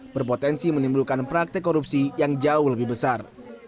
berpotensi menimbulkan praktek korupsi yang jauh lebih besar